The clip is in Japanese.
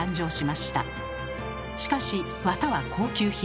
しかしわたは高級品。